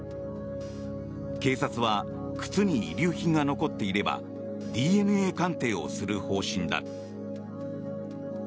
警察は靴に遺留品が残っていればＤＮＡ鑑定をする方針だ。